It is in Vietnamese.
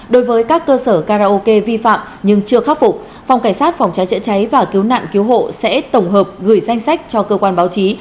đối với các cơ sở karaoke vi phạm nhưng chưa khắc phục phòng cảnh sát phòng cháy chữa cháy và cứu nạn cứu hộ sẽ tổng hợp gửi danh sách cho cơ quan báo chí